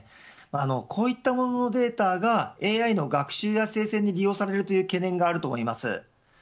こういったもののデータがＡＩの学習や生成に利用される懸念があります。